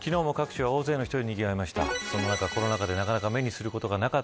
昨日も各地は大勢の人でにぎわいました。